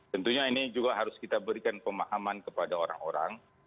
tentunya ini juga harus kita berikan pemahaman kepada orang orang